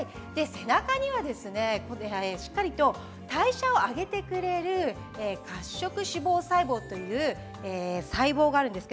背中には代謝を上げてくれる褐色脂肪細胞という細胞があるんです。